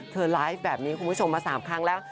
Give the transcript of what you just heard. ไลฟ์แบบนี้คุณผู้ชมมา๓ครั้งแล้ว